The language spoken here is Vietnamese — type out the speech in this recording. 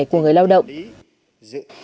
của người lao động